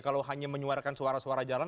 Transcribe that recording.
kalau hanya menyuarakan suara suara jalan